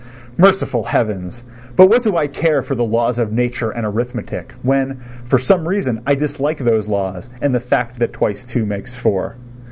Merciful Heavens! but what do I care for the laws of nature and arithmetic, when, for some reason I dislike those laws and the fact that twice two makes four?